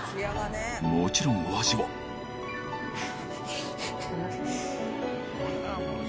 もちろんお味はフフフ。